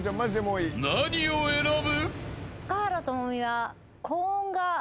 ［何を選ぶ？］